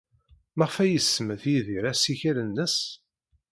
Maɣef ay isemmet Yidir assikel-nnes?